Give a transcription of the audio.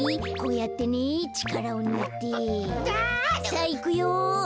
さあいくよ。